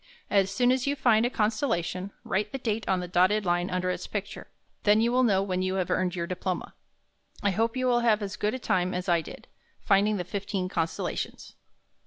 As soon as you find a constellation, write the date on the dotted line under its picture. Then you will know when you have earned your diploma. I hope you will have as good a time as I did, finding the fifteen constella tions.